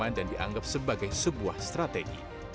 bukti utama yang dianggap sebagai sebuah strategi